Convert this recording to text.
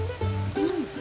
うん。